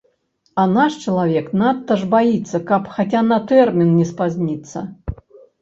А наш чалавек надта ж баіцца, каб хаця на тэрмін не спазніцца.